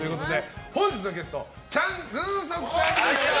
本日のゲストチャン・グンソクさんでした。